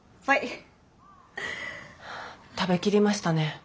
食べきりましたね。